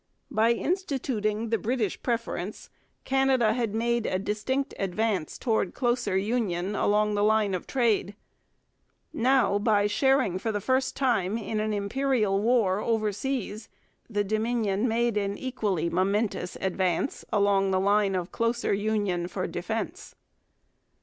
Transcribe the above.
By instituting the British preference Canada had made a distinct advance towards closer union along the line of trade. Now, by sharing for the first time in an imperial war overseas, the Dominion made an equally momentous advance along the line of closer union for defence.